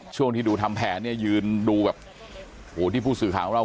ช่วงที่ดูทำแผนเนี่ยยืนดูแบบโหที่ผู้สื่อข่าวของเรา